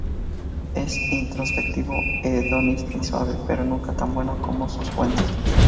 Es introspectivo, hedonista y suave, pero nunca tan bueno como sus fuentes.